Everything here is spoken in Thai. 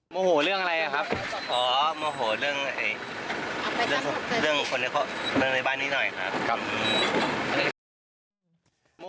โมโหเรื่องอะไรครับขอโมโหเรื่องคนในบ้านนี้หน่อยครับ